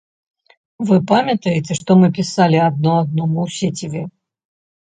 Вы памятаеце, што мы пісалі адно аднаму ў сеціве?